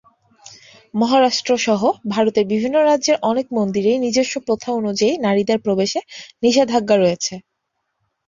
মহারাষ্ট্রসহ ভারতের বিভিন্ন রাজ্যের অনেক মন্দিরেই নিজস্ব প্রথা অনুযায়ী নারীদের প্রবেশে নিষেধাজ্ঞা রয়েছে।